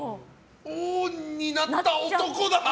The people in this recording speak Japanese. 「王になった男」だ！